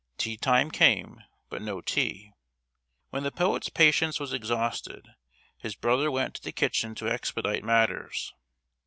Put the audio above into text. Tea time came, but no tea. When the poet's patience was exhausted, his brother went to the kitchen to expedite matters.